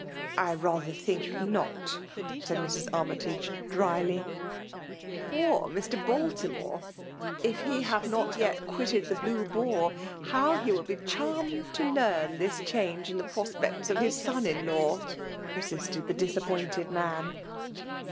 "^ I rather think notT said Mrs; Armytage, dialy. Poor Mr. BaltinuHre ! If he have not yet quitted the Blue Boar> how will he be charmed to learn this change in the prospects of his son in law !" persisted the disappointed man.